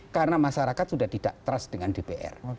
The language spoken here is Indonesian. karena masyarakat sudah tidak trust dengan dpr